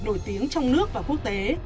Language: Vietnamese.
nổi tiếng trong nước và quốc tế